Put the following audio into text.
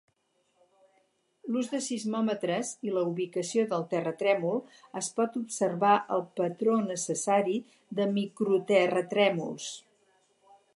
L'ús de sismòmetres i la ubicació del terratrèmol, es pot observar el patró necessari de micro-terratrèmols.